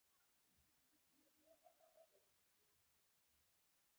د اراکوزیا نوم د کندهار لپاره کاریده